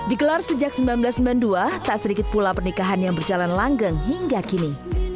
dikelar sejak seribu sembilan ratus sembilan puluh dua tak sedikit pula pernikahan yang berjalan langgeng hingga kini